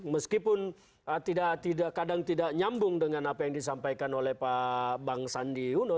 meskipun kadang tidak nyambung dengan apa yang disampaikan oleh pak bang sandi uno